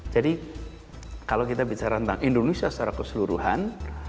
jadi kalau kita bicara tentang indonesia secara keseluruhan